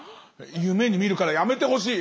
夢に見るからやめてほしい。